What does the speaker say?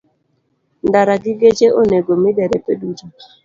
Ndara gi geche onego mi derepe duto.